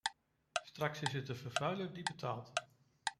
Straks is het de vervuiler die betaalt.